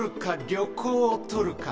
旅行を取るか？